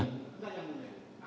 enggak yang benar